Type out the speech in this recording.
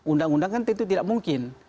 undang undang kan tentu tidak mungkin